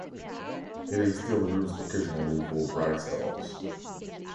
It is still used occasionally for bright stars.